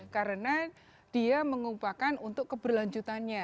karena dia mengupakan untuk keberlanjutannya